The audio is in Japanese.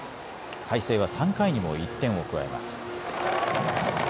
海星は３回にも１点を加えます。